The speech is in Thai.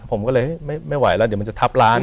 ผมก็เลยไม่ไหวแล้วเดี๋ยวมันจะทับร้าน